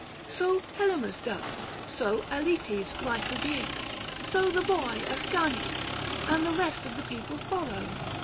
So Helymus does, so Aletes ripe of years, so the boy Ascanius, and the rest of the people follow.